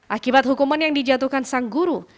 akibat hukuman yang dijatuhkan sang guru